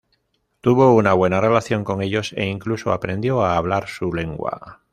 Tuvo una buena relación con ellos, e incluso aprendió a hablar su lengua.